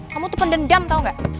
kamu tuh pendendam tau gak